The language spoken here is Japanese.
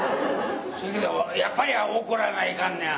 やっぱり怒らないかんねや。